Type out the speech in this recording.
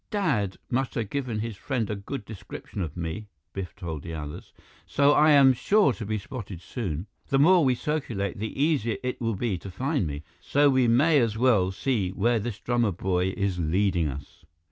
"Dad must have given his friend a good description of me," Biff told the others, "so I am sure to be spotted soon. The more we circulate, the easier it will be to find me, so we may as well see where this drummer boy is leading us."